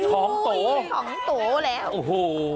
อุ้ยโค้งตูแล้วโอ้โห